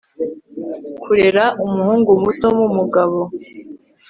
kurera umuhungu muto mumugabo